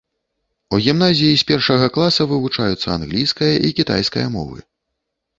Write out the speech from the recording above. У гімназіі з першага класа вывучаюцца англійская і кітайская мовы.